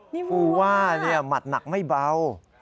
นี่มัวมากคุณพูดว่ามัดหนักไม่เบานะครับ